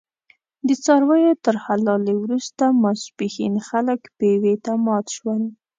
د څارویو تر حلالې وروسته ماسپښین خلک پېوې ته مات شول.